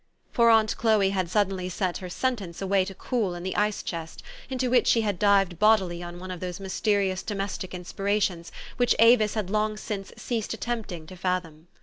" For aunt Chloe had suddenly set her sentence away to cool in the ice chest, into which she had dived bodily on one of those mysterious domestic inspira tions which Avis had long since ceased attempting to fathom.